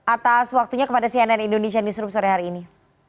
atas waktunya kepada cnn indonesia newsroom sore hari ini